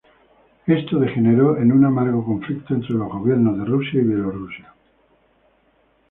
Esto degeneró en un amargo conflicto entre los gobiernos de Rusia y Bielorrusia.